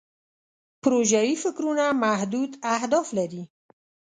پروژوي فکرونه محدود اهداف لري.